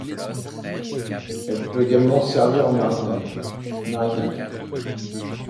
Elle peut également servir en marinade.